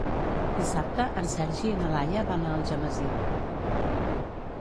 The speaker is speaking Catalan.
Dissabte en Sergi i na Laia van a Algemesí.